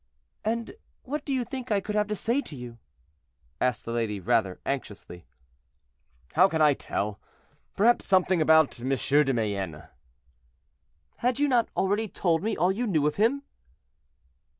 "And what do you think I could have to say to you?" asked the lady, rather anxiously. "How can I tell? Perhaps something about M. de Mayenne." "Had you not already told me all you knew of him?"